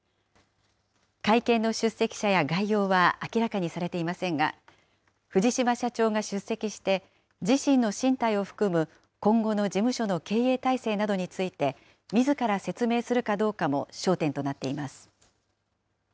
会見の出席者や概要は明らかにされていませんが、藤島社長が出席して、自身の進退を含む今後の事務所の経営体制などについて、みずから説明するかどうかも焦点となっています。